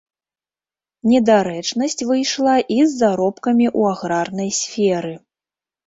Недарэчнасць выйшла і з заробкамі ў аграрнай сферы.